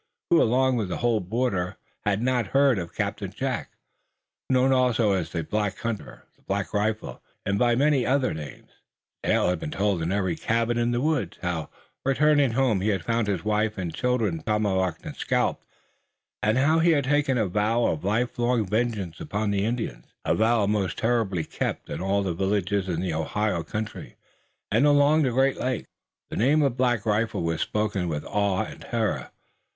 Who along the whole border had not heard of Captain Jack, known also as the Black Hunter, the Black Rifle and by many other names? The tale had been told in every cabin in the woods how returning home, he had found his wife and children tomahawked and scalped, and how he had taken a vow of lifelong vengeance upon the Indians, a vow most terribly kept. In all the villages in the Ohio country and along the Great Lakes, the name of Black Rifle was spoken with awe and terror.